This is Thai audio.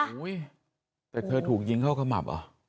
โห้ยแต่เธอถูกยิงเข้าขมับอ่ะ